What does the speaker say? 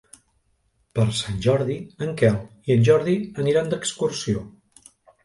Per Sant Jordi en Quel i en Jordi aniran d'excursió.